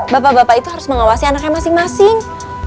bapak bapak itu harus mengawasi anaknya masing masing